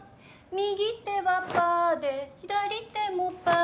「右手はパーで左手もパーで」